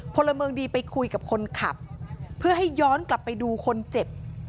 พลเมืองดีไปคุยกับคนขับเพื่อให้ย้อนกลับไปดูคนเจ็บ